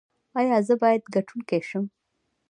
ایا زه باید ګټونکی شم؟